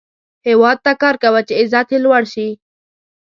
هیواد ته کار کوه، چې عزت یې لوړ شي